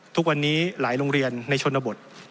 ทุกวันนี้หลายโรงเรียนในชนบท